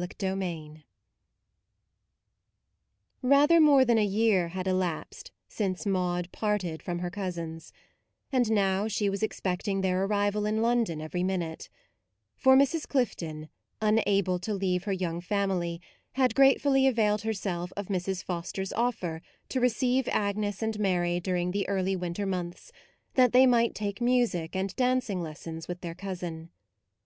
MAUDE 41 Part II RATHER more than a year had elapsed since Maude parted from her cousins; and now she was expecting their ar rival in London every minute: for Mrs. Clifton, unable to leave her young family, had gratefully availed herself of Mrs. Foster's offer to re ceive Agnes and Mary during the early winter months, that they might take music and dancing lessons with their cousin.